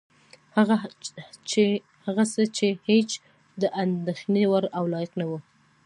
هغه څه چې هېڅ د اندېښنې وړ او لایق نه وه.